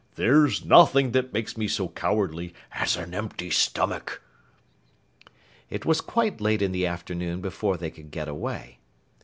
"There's nothing that makes me so cowardly as an empty stomach!" It was quite late in the afternoon before they could get away.